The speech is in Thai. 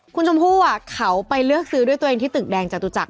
คุณชมพู่เขาไปเลือกซื้อด้วยตัวเองที่ตึกแดงจตุจักร